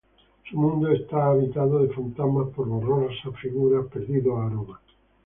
Su mundo está habitado de fantasmas, por borrosas figuras, perdidos aromas.